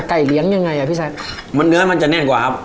เลี้ยงยังไงอ่ะพี่แซคมันเนื้อมันจะแน่นกว่าครับ